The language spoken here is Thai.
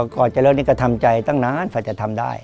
ก่อนจะเลิกนี่ก็ทำใจตั้งนานกว่าจะทำได้